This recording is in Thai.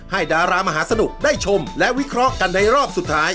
ดารามหาสนุกได้ชมและวิเคราะห์กันในรอบสุดท้าย